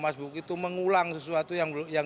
mana makmum yang sudah datang duluan